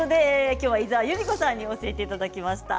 きょうは井澤由美子さんに教えていただきました。